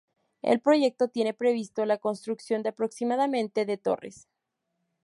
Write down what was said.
El proyecto tiene previsto la construcción de aproximadamente de torres